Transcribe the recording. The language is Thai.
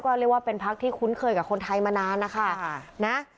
ก็เรียกว่าเป็นพักที่คุ้นเคยกับคนไทยมานานนะคะ